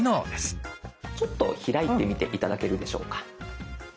ちょっと開いてみて頂けるでしょうか？